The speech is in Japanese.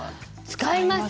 使います。